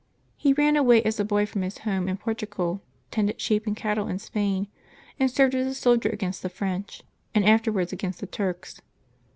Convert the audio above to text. He ran away as a boy from his home in Portugal, tended sheep and cattle in Spain, and served as a soldier against the French, and afterwards against the Turks.